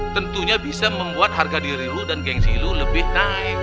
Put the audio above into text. tentunya bisa membuat harga diri lo dan gengsi lo lebih tinggi